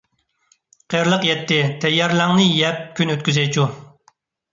قىرىلىق يەتتى، تەييار «لەڭ»نى يەپ كۈن ئۆتكۈزەيچۇ!